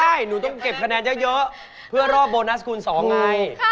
ใช่หนูต้องเก็บคะแนนเยอะเพื่อรอบโบนัสคูณ๒ไง